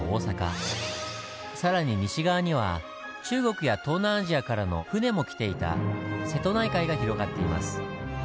更に西側には中国や東南アジアからの船も来ていた瀬戸内海が広がっています。